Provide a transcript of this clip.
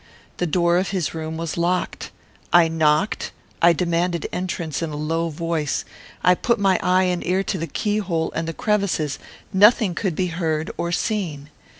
The door of his room was locked. I knocked; I demanded entrance in a low voice; I put my eye and my ear to the keyhole and the crevices; nothing could be heard or seen.